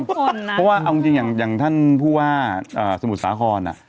เพราะว่าเอาจริงอย่างท่านผู้ว่าสมุทรสาคร